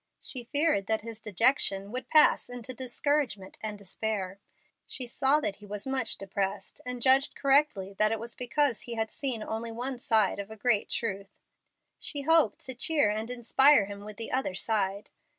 She feared that his dejection would pass into discouragement and despair. She saw that he was much depressed, and judged correctly that it was because he had seen only one side of a great truth. She hoped to cheer and inspire him with the other side.